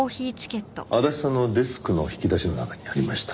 足立さんのデスクの引き出しの中にありました。